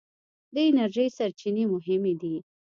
د انرژۍ سرچینې مهمې دي.